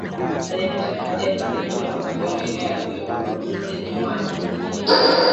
Aliendesha hadi akajikuta kafika maeneo ya kimihurura eneo maarufu jijini Kigali